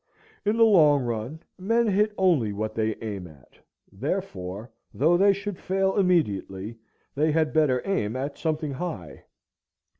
In the long run men hit only what they aim at. Therefore, though they should fail immediately, they had better aim at something high.